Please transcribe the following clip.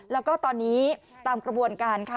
แล้วก็ตอนนี้ตามกระบวนการค่ะ